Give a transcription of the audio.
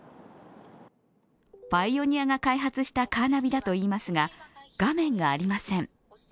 パイオニアが開発したカーナビだといいますが画面がありません。